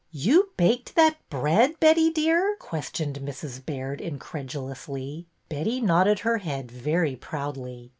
"You baked that bread, Betty, dear?" ques tioned Mrs. Baird, incredulously. Betty nodded her head very proudly.